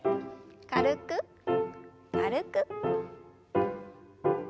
軽く軽く。